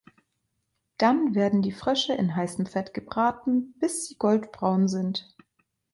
Dann werden die Frösche in heißem Fett gebraten, bis sie goldbraun sind.